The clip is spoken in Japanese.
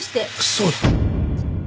そうだ！